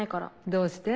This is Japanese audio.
どうして？